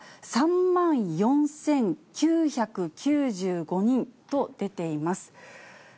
３万４９９５人と出ています。